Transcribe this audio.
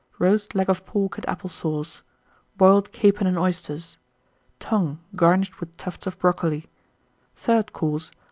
Roast Leg of Pork and Apple Sauce. Boiled Capon and Oysters. Tongue, garnished with tufts of Brocoli. THIRD COURSE.